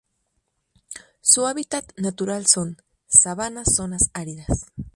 Su hábitat natural son: Sabanas zonas áridas.